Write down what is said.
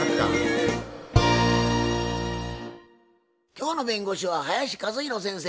今日の弁護士は林一弘先生。